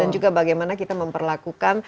dan juga bagaimana kita memperlakukan